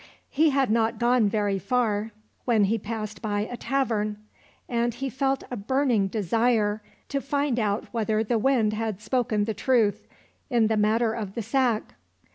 He had not gone very far when he passed by a tavern, and he felt a burning desire to find out whether the Wind had spoken the truth in the matter of the sack.